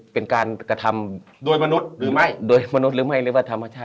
เป็นการกระทำโดยมนุษย์หรือไม่โดยมนุษย์หรือไม่หรือว่าธรรมชาติ